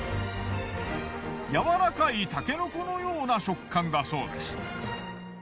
柔らかいたけのこのような食感だそうです。